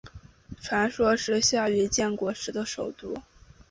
传说是夏禹建国时的首都。